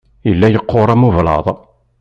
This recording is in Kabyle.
Yella yeqqur am ublaḍ.